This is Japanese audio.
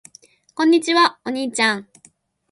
こんにちは。お兄ちゃん。